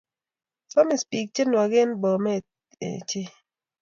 Samis pik che chnag en Bomet ochei